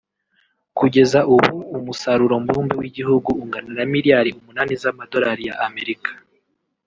Kugeza ubu umusarurombube w’Igihugu ungana na Miliyari umunani z’Amadolari y’Amerika